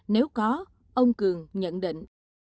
nếu có ông cường nhận định